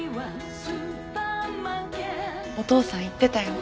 お父さん言ってたよ。